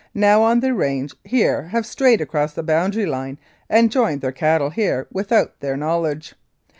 now on their range here have strayed across the boundary line and joined their cattle here without their knowledge.